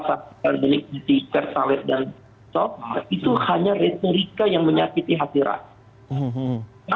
seperti di fertilize dan solar itu hanya retorika yang menyakiti hati rakyat